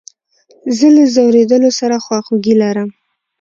زه له ځورېدلو سره خواخوږي لرم.